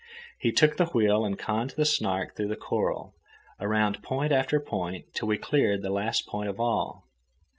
He took the wheel and conned the Snark through the coral, around point after point till we cleared the last point of all.